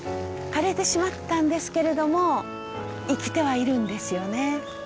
枯れてしまったんですけれども生きてはいるんですよね。